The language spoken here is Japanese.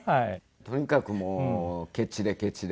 とにかくもうケチでケチで。